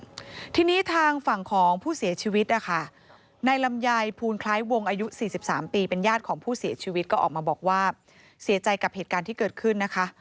คุณผู้ชมทีนี้ทางฝั่งของผู้เสียชีวิตนะคะในลำไยภูลคล้ายวงอายุสี่สิบสามปีเป็นญาติของผู้เสียชีวิตก็ออกมาบอกว่าเสียใจกับเหตุการณ์ที่เกิดขึ้นนะคะ